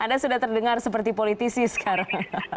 anda sudah terdengar seperti politisi sekarang